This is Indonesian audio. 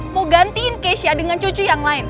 mau gantiin keisha dengan cucu yang lain